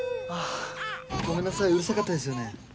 ごめんなさいうるさかったですよね。